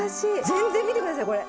全然見てくださいこれ。